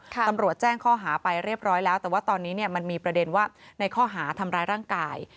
ตำรวจแจ้งข้อหาไปเรียบร้อยแล้วแต่ว่าตอนนี้มันมีประเด็นว่าในข้อหาทำร้ายร่างกาย